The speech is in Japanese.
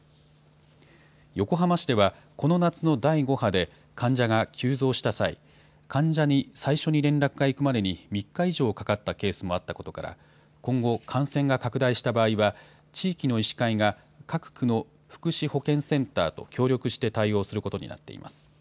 横浜市では、この夏の第５波で患者が急増した際、患者に最初に連絡が行くまでに３日以上かかったケースもあったことから、今後、感染が拡大した場合は、地域の医師会が各区の福祉保健センターと協力して対応することになっています。